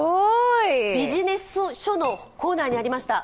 ビジネス書のコーナーにありました。